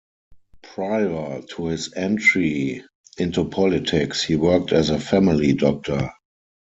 Prior to his entry into politics, he worked as a family doctor.